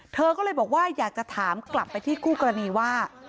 เธอก็เลยบอกว่าอยากจะถามกลับไปที่คู่กรณีว่า